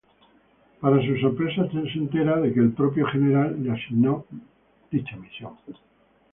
Para su sorpresa se entera que el propio General le asignó dicha misión.